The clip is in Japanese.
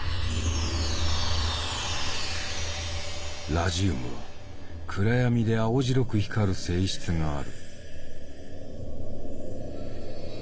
ラジウムは暗闇で青白く光る性質がある。